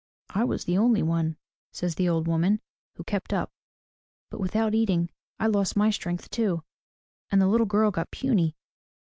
'' "I was the only one," says the old woman, "who kept up. But without eating I lost my strength too, and the little girl got puny.